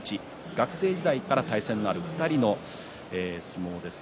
学生時代から対戦がある２人の相撲です。